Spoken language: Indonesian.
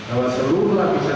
agak jadilah indah indahan